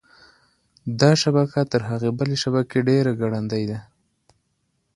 دا شبکه تر هغې بلې شبکې ډېره ګړندۍ ده.